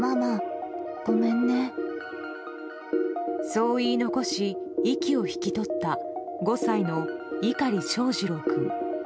そう言い残し、息を引き取った５歳の碇翔士郎君。